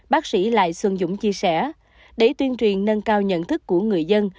bác sĩ lại xuân dũng chia sẻ để tuyên truyền nâng cao nhận thức của người dân